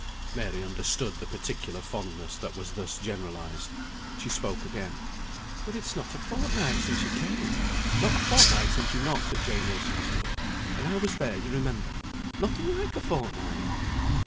Mary understood the particular fondness that was thus generalised. She spoke again. "But it's not a fortnight since you came. Not a fortnight since you knocked at Jane Wilson's door, and I was there, you remember. Nothing like a fortnight!"